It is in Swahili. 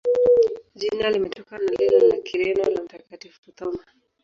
Jina limetokana na lile la Kireno la Mtakatifu Thoma.